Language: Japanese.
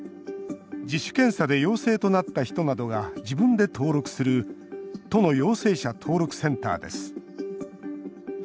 自主検査で陽性となった人などが自分で登録する都の陽性者登録センターです